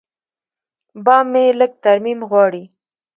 بام مې لږ ترمیم غواړي.